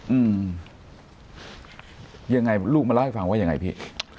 อืมยังไงลูกมาเล่าให้ฟังว่ายังไงพี่